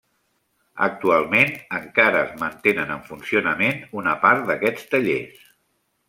Actualment, encara es mantenen en funcionament una part d'aquests tallers.